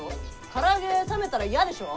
から揚げ冷めたら嫌でしょ？